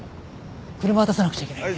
車出さなくちゃいけないんで。